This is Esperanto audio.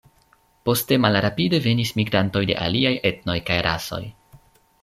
Poste malrapide venis migrantoj de aliaj etnoj kaj rasoj.